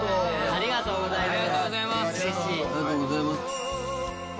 ありがとうございます。